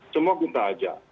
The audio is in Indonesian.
semua kita ajak